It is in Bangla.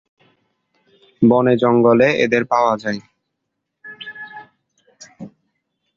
বনে-জঙ্গলে এদের পাওয়া যায়।